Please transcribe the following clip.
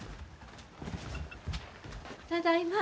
ただいま。